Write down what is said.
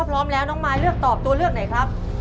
พร้อมแล้วน้องมายเลือกตอบตัวเลือกไหนครับ